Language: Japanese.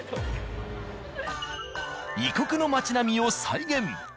異国の街並みを再現。